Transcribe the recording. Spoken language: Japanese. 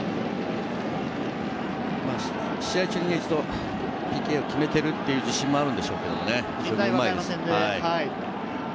試合中に一度ＰＫを決めているという自信もあるんでしょうけどね。